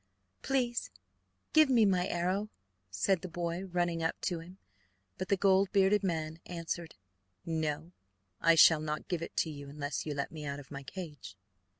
"Please give me my arrow," said the prince, running up to him; but the gold bearded man answered: "No, I shall not give it to you unless you let me out of my cage."